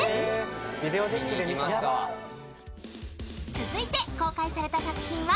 ［続いて公開された作品は？］